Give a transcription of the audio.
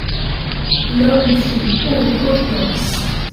L'homme crie : ô Providence !